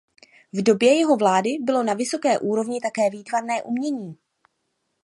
V době jeho vlády bylo na vysoké úrovni také výtvarné umění.